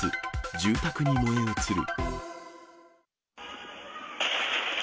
住宅に燃え移る。